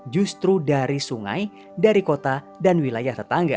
justru dari sungai dari kota dan wilayah tetangga